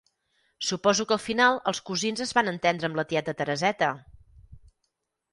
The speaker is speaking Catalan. Suposo que al final els cosins es van entendre amb la tieta Tereseta.